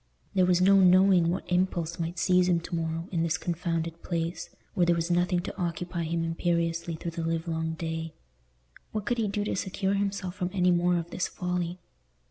There was no knowing what impulse might seize him to morrow, in this confounded place, where there was nothing to occupy him imperiously through the livelong day. What could he do to secure himself from any more of this folly?